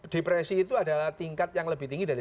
depresi itu adalah tingkat yang lebih tinggi dari